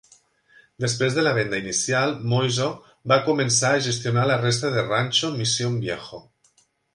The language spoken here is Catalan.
Després de la venda inicial, Moiso va començar a gestionar la resta de Rancho Mission Viejo.